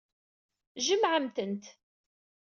Jemɛemt-tent.